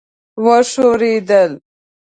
وښورېدل.